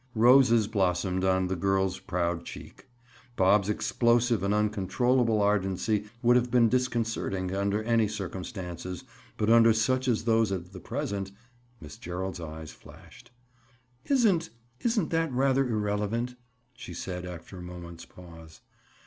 Roses blossomed on the girl's proud cheek. Bob's explosive and uncontrollable ardency would have been disconcerting, under any circumstances, but under such as those of the present—Miss Gerald's eyes flashed. "Isn't—isn't that rather irrelevant?" she said after a moment's pause.